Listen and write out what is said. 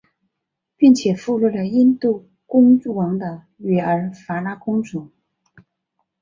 并且俘获了印度公王的女儿法拉公主。